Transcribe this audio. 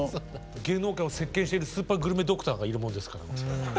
芸能界を席けんしているスーパーグルメドクターがいるもんですから。